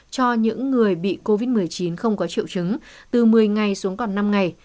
cho những người bị covid một mươi chín không có triệu chứng từ một mươi ngày xuống còn năm ngày